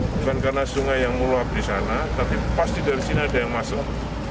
bukan karena sungai yang meluap di sana tapi pasti dari sini ada yang masuk